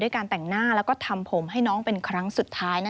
การแต่งหน้าแล้วก็ทำผมให้น้องเป็นครั้งสุดท้าย